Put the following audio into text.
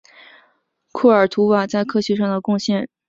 库尔图瓦在科学上的贡献主要是碘元素的发现。